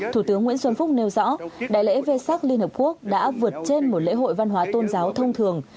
thủ tướng nguyễn xuân phúc nêu rõ đại lễ vê sắc liên hợp quốc đã vượt trên một lễ hội văn hóa tôn giáo thông thường